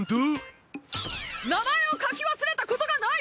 名前を書き忘れたことがない！